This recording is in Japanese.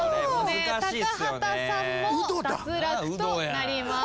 高畑さんも脱落となります。